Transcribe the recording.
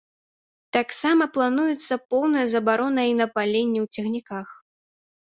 Таксама плануецца поўная забарона і на паленне ў цягніках.